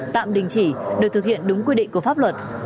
tạm đình chỉ được thực hiện đúng quy định của pháp luật